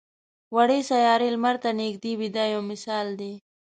وړې سیارې لمر ته نږدې وي دا یو مثال دی.